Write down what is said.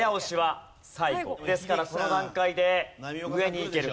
ですからこの段階で上に行けるか。